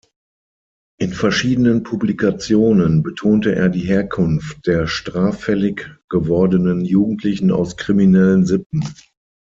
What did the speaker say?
In verschiedenen Publikationen betonte er die Herkunft der straffällig gewordenen Jugendlichen aus „kriminellen Sippen“.